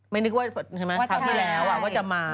ไม่นึกว่าเพราะที่แล้วว่าจะมา